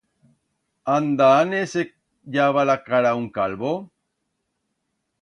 Anda áne se llava la cara un calvo?